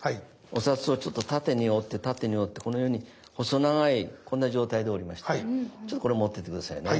お札はちょっと縦に折って縦に折ってこのように細長いこんな状態で折りましてちょっとこれ持ってて下さいね。